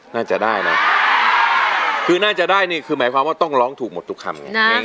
น่าจะได้นะคือน่าจะได้นี่คือหมายความว่าต้องร้องถูกหมดทุกคำ